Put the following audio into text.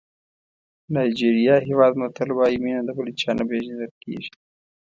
نایجېریا هېواد متل وایي مینه د بل چا نه پېژندل کېږي.